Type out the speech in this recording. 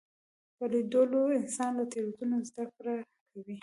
په لیدلو انسان له تېروتنو زده کړه کوي